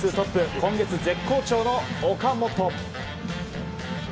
今月、絶好調の岡本。